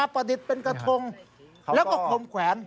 เป็นกระทงแล้วก็ควมแขวน